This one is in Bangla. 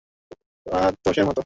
বা দশের মত।